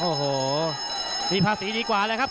โอ้โหมีภาษีดีกว่าเลยครับ